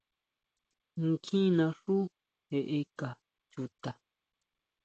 ¿Nkjín naxú jeʼeka chuta?